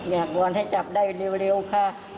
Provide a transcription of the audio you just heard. อยากวรให้จับได้เร็วค่ะ